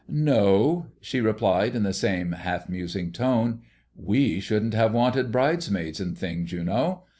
"No," she replied in the same half musing tone. "We shouldn't have wanted bridesmaids and things, you know.